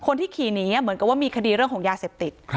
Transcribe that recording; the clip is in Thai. คนที่ขี่หนีเหมือนกับว่ามีคดีเรื่องของยาเสพติด